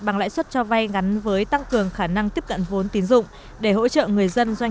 bằng lãi suất cho vay ngắn với tăng cường khả năng tiếp cận vốn tín dụng để hỗ trợ người dân doanh